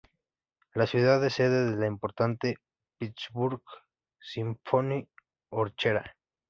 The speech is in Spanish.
La ciudad es sede de la importante Pittsburgh Symphony Orchestra.